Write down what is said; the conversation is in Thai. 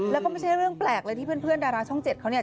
แล้วก็ไม่ใช่เรื่องแปลกเลยที่เพื่อนดาราช่อง๗เขาเนี่ย